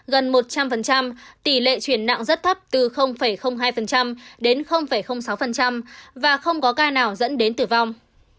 gần một trăm linh tỷ lệ chuyển nặng rất thấp từ hai đến sáu và không có ca nào dẫn đến tử vong